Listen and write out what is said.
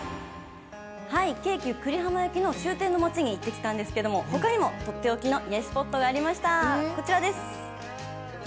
京急久里浜行きの終点の街に行ってきたんですけれどもほかにもとっておきの癒やしスポットがありました、こちらです。